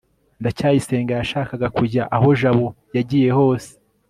ndacyayisenga yashakaga kujya aho jabo yagiye hose